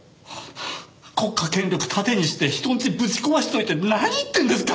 国家権力盾にして人ん家ぶち壊しといて何言ってんですか！